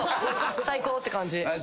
最高って感じ。